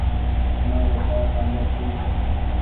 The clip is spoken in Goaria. مآري چآر ٽآٻر ڇي